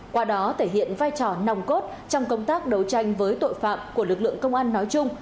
qua đó thể hiện vai trò nòng cốt trong công tác đấu tranh với tội phạm của lực lượng công an nói chung